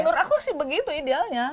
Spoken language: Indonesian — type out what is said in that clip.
menurut aku sih begitu idealnya